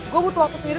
gue butuh waktu sendiri